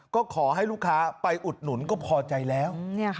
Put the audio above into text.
ก็ขอให้ลูกค้าไปอุดหนุนก็พอใจแล้ว